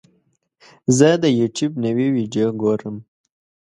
زه د یوټیوب نوې ویډیو ګورم.